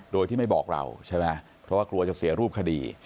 โดยที่ไม่บอกเราใช่ไหมเพราะว่ากลัวจะเสียรูปคดี